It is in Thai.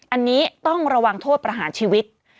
อันนี้ต้องระวังโทษประหารชีวิต